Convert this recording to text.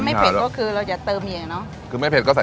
คนที่มาทานอย่างเงี้ยควรจะมาทานแบบคนเดียวนะครับ